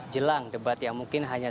jelang debat yang mungkin hanya